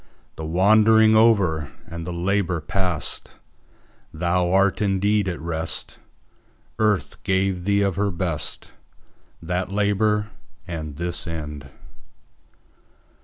The wandering over, and the labour passed, Thou art indeed at rest:Earth gave thee of her best, That labour and this end.